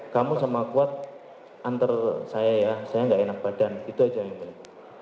kamu sama kuat antar saya ya saya nggak enak badan itu aja yang mulia